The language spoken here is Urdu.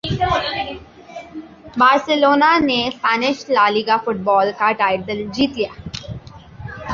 بارسلونا نے اسپینش لالیگا فٹبال کا ٹائٹل جیت لیا